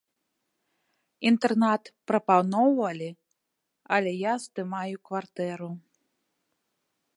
Інтэрнат прапаноўвалі, але я здымаю кватэру.